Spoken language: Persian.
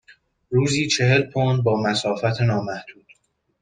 روزی چهل پوند با مسافت نامحدود.